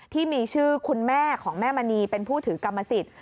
ที่มีชื่อคุณแม่ของแม่มณีเป็นผู้ถือกรรมสิทธิ์